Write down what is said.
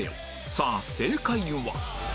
さあ正解は